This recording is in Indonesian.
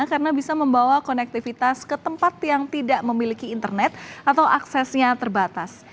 karena bisa membawa konektivitas ke tempat yang tidak memiliki internet atau aksesnya terbatas